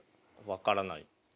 分からない。